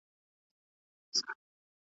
وروسته فکر پښېماني راولي